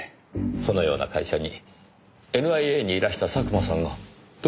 そのような会社にＮＩＡにいらした佐久間さんがどうして？